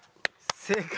正解。